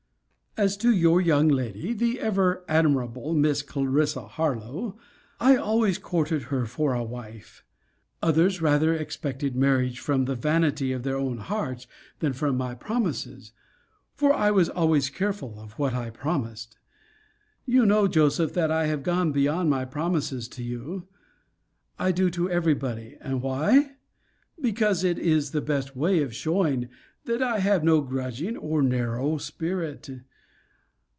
As to your young lady, the ever admirable Miss Clarissa Harlowe, I always courted her for a wife. Others rather expected marriage from the vanity of their own hearts, than from my promises; for I was always careful of what I promised. You know, Joseph, that I have gone beyond my promises to you. I do to every body; and why? because it is the best way of showing that I have no grudging or narrow spirit.